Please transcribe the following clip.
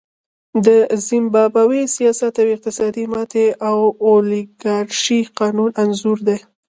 د زیمبابوې سیاسي او اقتصادي ماتې د اولیګارشۍ قانون انځور دی.